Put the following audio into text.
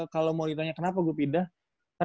kalau mau ditanya kenapa gue pindah